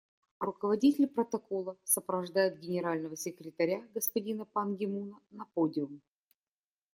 Руководитель протокола сопровождает Генерального секретаря господина Пан Ги Муна на подиум.